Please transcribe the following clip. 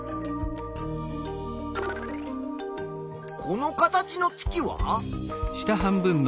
この形の月は？